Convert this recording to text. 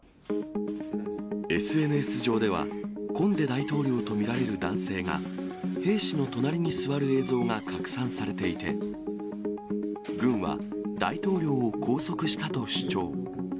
ＳＮＳ上では、コンデ大統領と見られる男性が、兵士の隣に座る映像が拡散されていて、軍は大統領を拘束したと主張。